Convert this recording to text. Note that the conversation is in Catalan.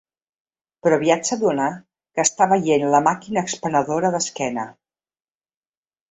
Però aviat s'adona que està veient la màquina expenedora d'esquena.